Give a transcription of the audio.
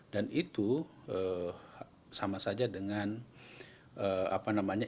dan itu sama saja dengan apa namanya